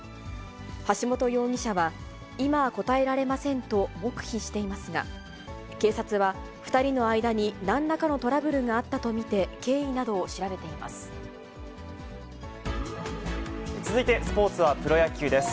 橋本容疑者は、今は答えられませんと黙秘していますが、警察は、２人の間になんらかのトラブルがあったと見て、経緯などを調べて続いて、スポーツはプロ野球です。